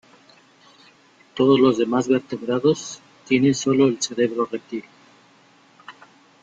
Todos los demás vertebrados tienen sólo el cerebro reptil.